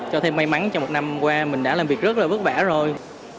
cho thêm may mắn trong một năm qua mình đã làm việc rất là vất vả rồi